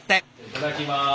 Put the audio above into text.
いただきます。